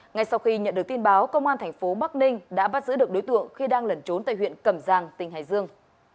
ngay sau khi nhận được tin báo công an thành phố bắc ninh đã bắt giữ được đối tượng khi đang lẩn trốn tại huyện cẩm giang tỉnh hải dương